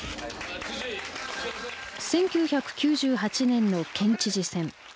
１９９８年の県知事選。